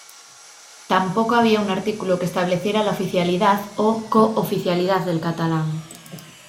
Tampoco había un artículo que estableciera la oficialidad o cooficialidad del catalán.